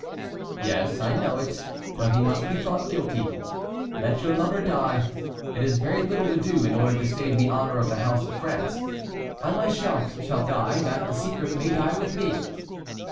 "Yes, I know it, but he must be thought guilty. Let your lover die; it is very little to do in order to save the honor of the house of France; I myself shall die that the secret may die with me."